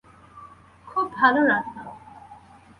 খুব ভালো রান্না।